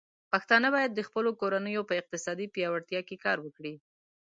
پښتانه بايد د خپلو کورنيو په اقتصادي پياوړتيا کې کار وکړي.